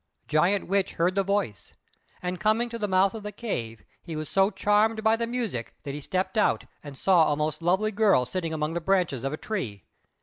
Giant Witch heard the voice, and coming to the mouth of the cave, he was so charmed by the music that he stepped out and saw a most lovely girl sitting among the branches of a tree.